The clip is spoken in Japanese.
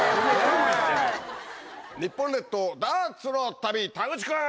日本列島ダーツの旅田口くん！